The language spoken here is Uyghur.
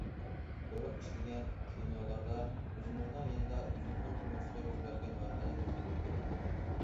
بۇرۇن ئىشلىگەن كىنولاردا ئۆزىمىزنىڭ يېنىدا، ئۆزىمىزنىڭ تۇرمۇشىدا يۈز بەرگەن ۋەقەلىك تەسۋىرلەنگەن ئىدى.